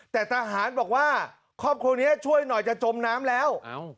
แต่ทหารบอกว่าครอบครัวนี้ช่วยหน่อยจะจมน้ำแล้ว